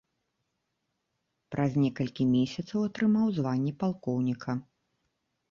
Праз некалькі месяцаў атрымаў званне палкоўніка.